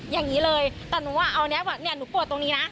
อย่างนี้เลยแต่หนูอ่ะเอาเนี่ยหนูปวดตรงนี้นะ